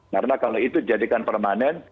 karena kalau itu dijadikan permanen